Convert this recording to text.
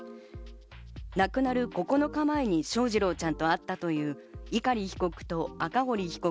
亡くなる９日前に翔士郎ちゃんとあったという碇被告と赤堀被告